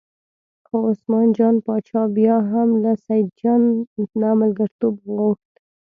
خو عثمان جان باچا بیا هم له سیدجان نه ملګرتوب وغوښت.